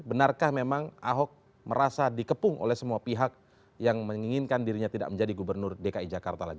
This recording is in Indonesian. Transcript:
benarkah memang ahok merasa dikepung oleh semua pihak yang menginginkan dirinya tidak menjadi gubernur dki jakarta lagi